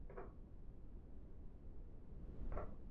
এখন শুধু তোর মা আমাদের বাঁচাতে পারবে।